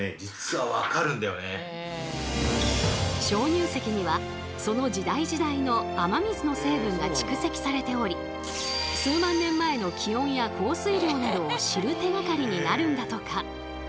鍾乳石にはその時代時代の雨水の成分が蓄積されており数万年前の気温や降水量などを知る手がかりになるんだとか。